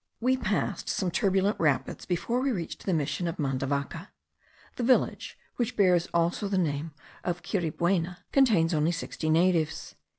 We passed some turbulent rapids before we reached the mission of Mandavaca. The village, which bears also the name of Quirabuena, contains only sixty natives.